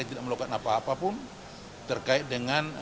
ujian yang senang